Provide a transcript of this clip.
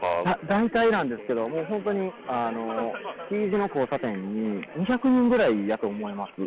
大体なんですけど、もう本当に、Ｔ字の交差点に２００人ぐらいやと思います。